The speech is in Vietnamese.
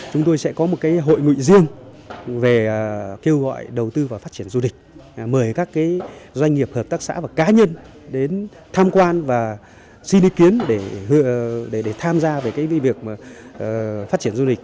chúng tôi sẽ có một hội ngụy riêng về kêu gọi đầu tư và phát triển du lịch mời các doanh nghiệp hợp tác xã và cá nhân đến tham quan và xin ý kiến để tham gia về việc phát triển du lịch